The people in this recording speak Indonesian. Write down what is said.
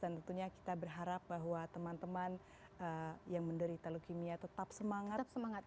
dan tentunya kita berharap bahwa teman teman yang menderita leukemia tetap semangat